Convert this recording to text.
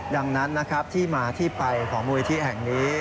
ดังนั้นนะครับที่มาที่ไปของมูลนิธิแห่งนี้